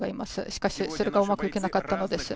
しかし、それがうまくいかなかったのです。